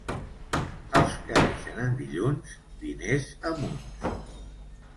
Els que neixen en dilluns, diners a munts.